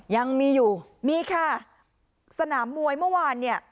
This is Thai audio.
ยังมีอยู่มีค่ะสนามมวยเมื่อวานเนี่ย